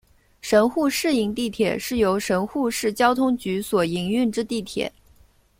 神户市营地铁是由神户市交通局所营运之地铁。